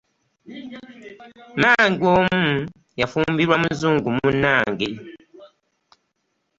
Mmange omu yafumbirwa muzungu munnange.